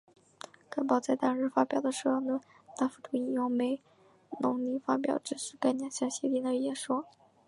该报在当日发表的社论大幅度引用梅隆尼发表支持该两项协定的演说。